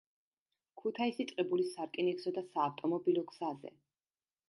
ქუთაისი-ტყიბულის სარკინიგზო და საავტომობილო გზაზე.